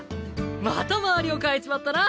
また周りを変えちまったな。